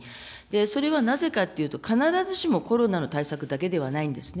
それはなぜかというと、必ずしもコロナの対策だけではないんですね。